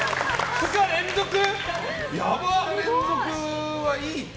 ２日連続はいいって。